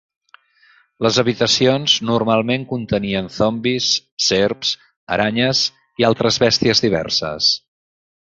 Les habitacions normalment contenien zombis, serps, aranyes i altres bèsties diverses.